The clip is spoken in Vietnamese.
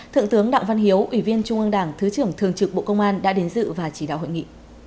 thượng tướng đặng văn hiếu ủy viên trung ương đảng thứ trưởng thường trực bộ công an đã đến dự và chỉ đạo hội nghị